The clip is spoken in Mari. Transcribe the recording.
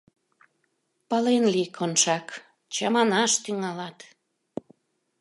Пален лий, Коншак, чаманаш тӱҥалат!